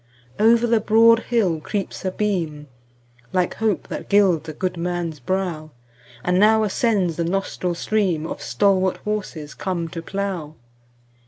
Over the broad hill creeps a beam, Like hope that gilds a good man's brow; 10 And now ascends the nostril stream Of stalwart horses come to plough.